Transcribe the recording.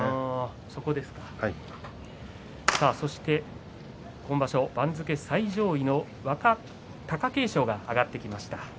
そして番付最上位の貴景勝が上がってきました。